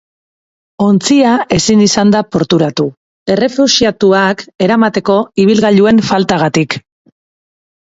Ontzia ezin izan da porturatu, errefuxiatuak eramateko ibilgailuen faltagatik.